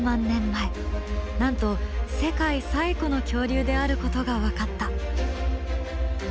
なんと世界最古の恐竜であることが分かった。